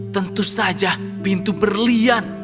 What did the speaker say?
tentu saja pintu berlian